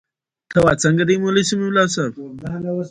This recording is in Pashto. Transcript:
په کور کې ښه اخلاق د کورنۍ د قوت سبب ګرځي.